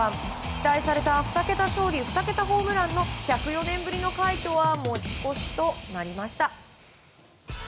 期待された２桁勝利２桁ホームランの１０４年ぶりの快挙は持ち越しとなりました。